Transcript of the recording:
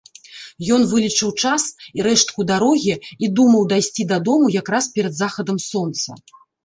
Ён вылічыў час і рэштку дарогі і думаў дайсці дадому якраз перад захадам сонца.